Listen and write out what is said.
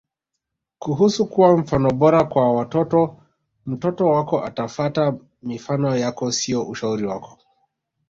Kuhusu kuwa mfano bora kwa watoto Mtoto wako atafata mifano yako sio ushauri wako